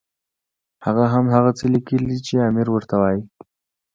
هغه هم هغه څه لیکي چې امیر ورته وایي.